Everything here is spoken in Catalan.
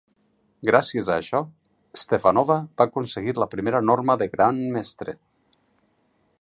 Gràcies a això, Stefanova va aconseguir la primera norma de Gran Mestre.